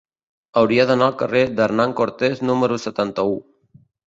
Hauria d'anar al carrer d'Hernán Cortés número setanta-u.